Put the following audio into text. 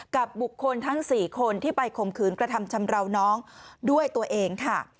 กับบุคคลทั้ง๔คนที่ไปข่มขืนกระทำชำราวน้องด้วยตัวเองค่ะ